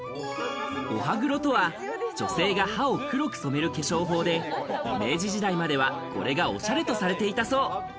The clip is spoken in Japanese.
お歯黒とは女性が歯を黒く染める化粧法で、明治時代までは、これがおしゃれとされていたそう。